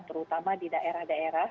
terutama di daerah daerah